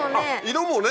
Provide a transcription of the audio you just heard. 色もね。